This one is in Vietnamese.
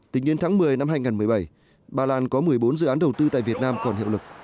tính đến tháng một mươi năm hai nghìn một mươi bảy bà lan có một mươi bốn dự án đầu tư tại việt nam còn hiệu lực